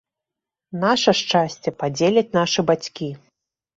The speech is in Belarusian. Наша шчасце падзеляць нашы бацькі.